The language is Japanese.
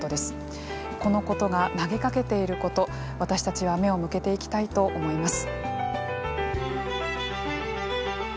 このことが投げかけていること私たちは目を向けていきたいと思います。